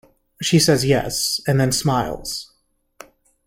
She says yes, and then smiles...